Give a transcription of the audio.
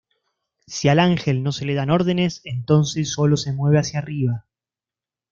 Si al ángel no se le dan órdenes, entonces sólo se mueve hacia arriba.